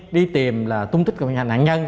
đi tìm là tung tích của nạn nhân